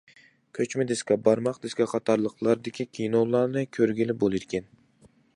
كۆچمە دىسكا، بارماق دىسكا قاتارلىقلاردىكى كىنولارنى كۆرگىلى بولىدىكەن.